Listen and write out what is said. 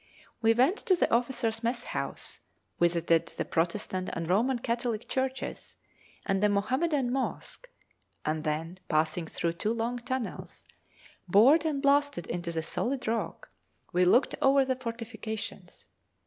We went to the officers' mess house, visited the Protestant and Roman Catholic churches and the Mohammedan mosque, and then passing through two long tunnels, bored and blasted in the solid rock, we looked over the fortifications.